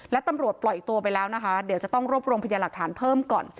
และตำรวจปล่อยตัวไปแล้วนะคะเดี๋ยวจะต้องรวบรวมพยาหลักฐานเพิ่มก่อน